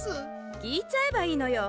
きいちゃえばいいのよ。